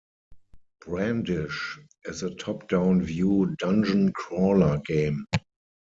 "Brandish" is a top-down view dungeon crawler game.